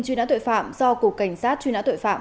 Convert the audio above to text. truy nã tội phạm do cục cảnh sát truy nã tội phạm